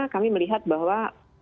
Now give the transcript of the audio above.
kami melihat bahwa